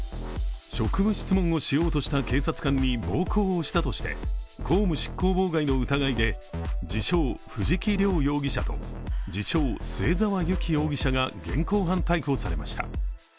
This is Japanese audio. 職務質問をしようとした警察官に暴行をしたとして、公務執行妨害の疑いで自称・藤木涼容疑者と自称・末澤有希容疑者が現行犯逮捕されました。